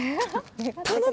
頼む！